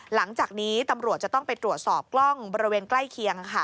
หลังจากนี้ตำรวจจะต้องไปตรวจสอบกล้องบริเวณใกล้เคียง